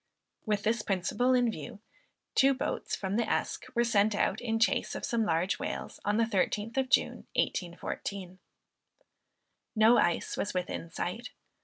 With this principle in view, two boats from the Esk were sent out in chase of some large whales, on the 13th of June 1814. No ice was within sight.